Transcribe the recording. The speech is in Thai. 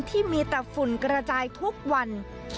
ที่มีแต่ฝุ่นกระจายทุกวัน